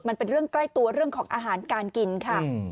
มันเป็นเรื่องใกล้ตัวเรื่องของอาหารการกินค่ะ